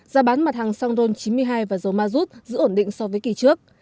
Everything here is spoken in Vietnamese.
giá bán mặt hàng songron chín mươi hai và dầu mazut giữ ổn định so với kỳ trước